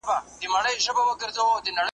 پردي به ولي ورته راتللای ,